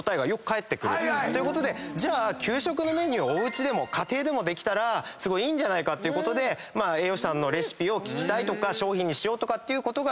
じゃあ給食のメニューを家庭でもできたらいいんじゃないかっていうことで栄養士さんのレシピを聞きたいとか商品にしようとかっていうことが結構増えてるんですね。